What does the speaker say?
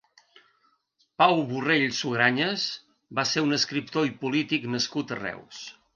Pau Borrell Sugranyes va ser un escriptor i polític nascut a Reus.